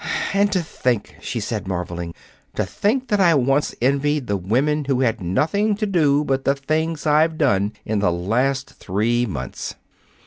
"And to think," she said, marveling, "to think that I once envied the women who had nothing to do but the things I've done in the last three months!"